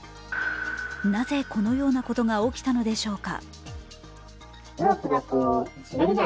なぜこのようなことが起きたのでしょうか。